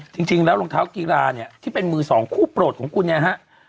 จริงแล้วรองเท้ากีฬาเนี่ยที่เป็นมือสองคู่โปรดของคุณเนี่ยฮะ